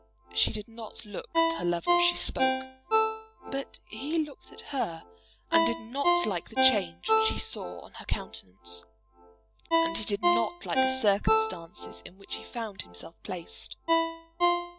She did not look at her lover as she spoke; but he looked at her, and did not like the change which he saw on her countenance. And he did not like the circumstances in which he found himself placed.